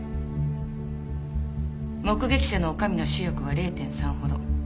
目撃者の女将の視力は０．３ほど。